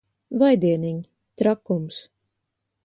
Vai dieniņ! Trakums.